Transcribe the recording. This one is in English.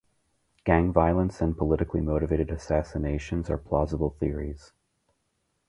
Gang violence and politically motivated assassination are plausible theories.